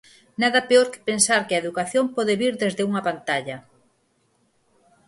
Nada peor que pensar que a educación pode vir desde unha pantalla.